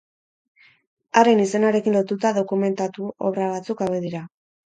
Haren izenarekin lotuta dokumentatu obra batzuk hauek dira.